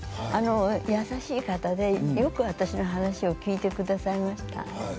優しい方でよく私の話を聞いてくださいました。